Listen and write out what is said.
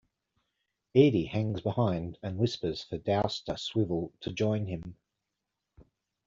Edie hangs behind and whispers for Douster-swivel to join him.